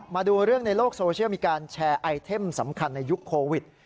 มาดูเรื่องในโลกโซเชียลมีการแชร์ไอเทมสำคัญในยุคโควิด